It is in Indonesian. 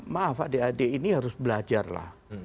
maaf adik adik ini harus belajarlah